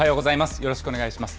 よろしくお願いします。